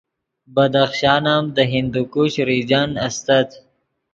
بدخشان ام دے ہندوکش ریجن استت